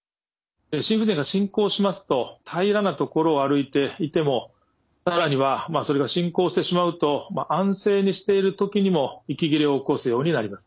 心不全が進行しますと平らな所を歩いていても更にはそれが進行してしまうと安静にしている時にも息切れを起こすようになります。